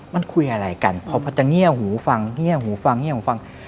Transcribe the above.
มันคุยอะไรกันพอจะเงียบหูฟังเงียบหูฟังเงียบหูฟัง